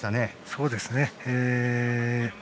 そうですね。